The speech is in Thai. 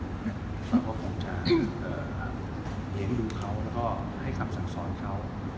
เราก็คงจะเห็นดูเขาแล้วก็ให้กลับสั่งสอนเขา